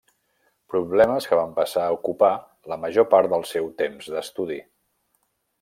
Problemes que van passar a ocupar la major part del seu temps d'estudi.